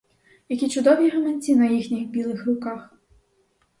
Які чудові гаманці на їхніх білих руках!